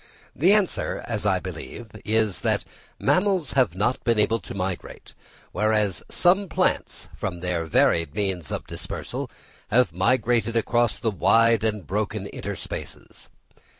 The answer, as I believe, is, that mammals have not been able to migrate, whereas some plants, from their varied means of dispersal, have migrated across the wide and broken interspaces.